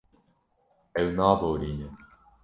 Ew naborîne.